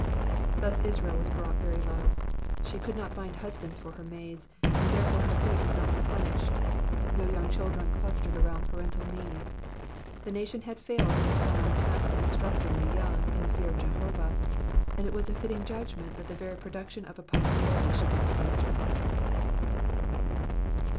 Thus Israel was brought very low, she cqu)d not find husbands for her maids, and therefore her state was not re plenished ; no young children clustered around parental knees. The nation had failed in its solemn task of instructing the young in the fear of Jehovah, and it was a fitting judgment that the very production of a posterity should be endangered.